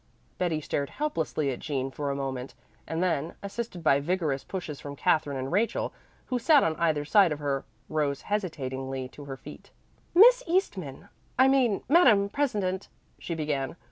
Betty stared helplessly at Jean for a moment and then, assisted by vigorous pushes from Katherine and Rachel, who sat on either side of her, rose hesitatingly to her feet. "Miss Eastman, I mean, madame president," she began.